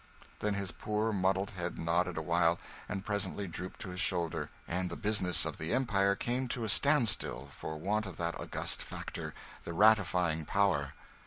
Then his poor muddled head nodded a while and presently drooped to his shoulder; and the business of the empire came to a standstill for want of that august factor, the ratifying power.